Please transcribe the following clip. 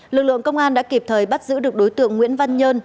lực lượng công an đã kịp thời bắt giữ được đối tượng nguyễn văn nhơn